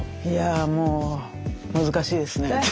いやあもう難しいですね。